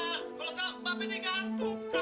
kalau enggak mbak belu digantung